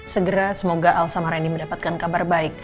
segera semoga al sama randy mendapatkan kabar baik